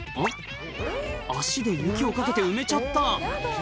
足で雪をかけて埋めちゃった